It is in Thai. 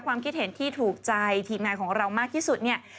ความคิดเห็นที่ถูกใจทีมงานของเรามากที่สุดเนี่ย